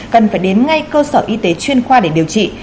cần phải đến ngay cơ sở y tế chuyên khoa để điều trị